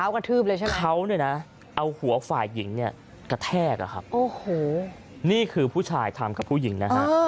เขาเนี่ยนะเอาหัวฝ่ายหญิงเนี่ยกระแทกละครับนี่คือผู้ชายทำกับผู้หญิงนะฮะ